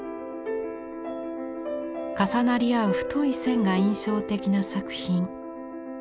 重なり合う太い線が印象的な作品。